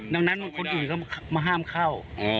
ดังนั้นคนอื่นเขามาห้ามเข้า